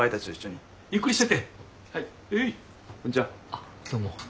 あっどうも。